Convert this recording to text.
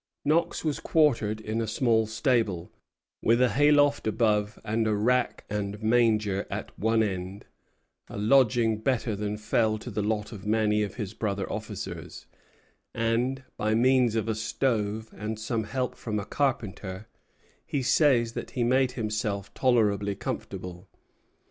Knox was quartered in a small stable, with a hayloft above and a rack and manger at one end: a lodging better than fell to the lot of many of his brother officers; and, by means of a stove and some help from a carpenter, he says that he made himself tolerably comfortable.